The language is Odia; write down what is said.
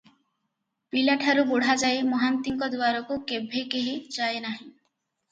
ପିଲାଠାରୁ ବୁଢ଼ାଯାଏ ମହାନ୍ତିଙ୍କ ଦୁଆରକୁ କେଭେ କେହି ଯାଏ ନାହିଁ ।